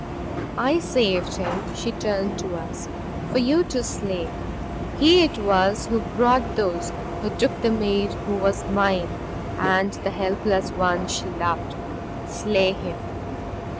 "I saved him," she turned to us, "for you to slay. He it was who brought those who took the maid who was mine and the helpless one she loved. Slay him."